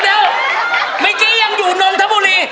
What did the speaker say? เดี๋ยวเมื่อกี้ยังอยู่นนทบุรี